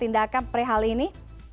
tindakan pre hal ini